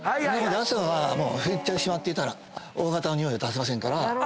汗は拭いてしまっていたらＯ型のにおいを出しませんから。